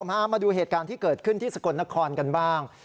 มาดูเหตุการณ์ที่เกิดขึ้นที่สกลนครกันบ้าง